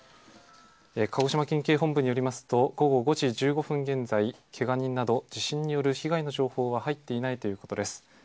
鹿児島県警本部によりますと、午後５時１５分現在、けが人など、地震による被害の情報は入っていないということです。